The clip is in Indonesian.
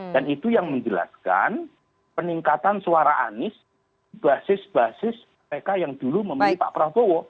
dan itu yang menjelaskan peningkatan suara anies basis basis mereka yang dulu memilih pak prabowo